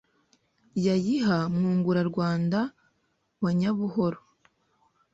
Yayiha MwunguraRwanda wa Nyabuhoro